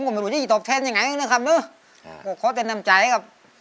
ขอบคุณครับ